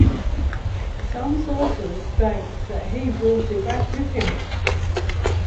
Some sources state that he brought it back with him.